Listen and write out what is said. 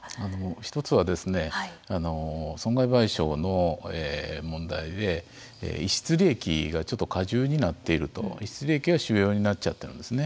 一つはですね損害賠償の問題で、逸失利益がちょっと過重になっていると逸失利益が主要になっちゃっているんですね。